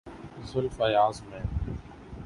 زلف ایاز میں۔